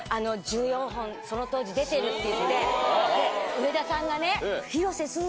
上田さんがね。